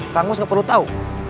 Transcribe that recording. kamu sepenuh tahu